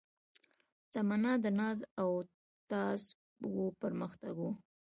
تمنا د ناز او تاز و پرمختګ و